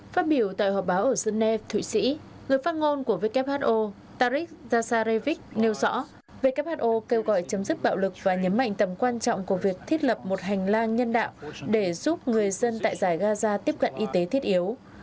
phát biểu tại họp báo ở geneva thụy sĩ người phát ngôn của who tarik zasarevic nêu rõ who kêu gọi chấm dứt bạo lực và nhấn mạnh tầm quan trọng của việc thiết lập một hành lang nhân đạo để giúp người dân tại giải gaza tiếp cận y tế thiết yếu